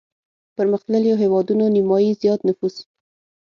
پرمختلليو هېوادونو نيمايي زيات نفوس